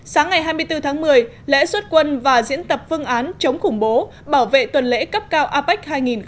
sáng ngày hai mươi bốn tháng một mươi lễ xuất quân và diễn tập phương án chống khủng bố bảo vệ tuần lễ cấp cao apec hai nghìn hai mươi